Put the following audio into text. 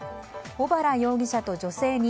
小原容疑者と女性に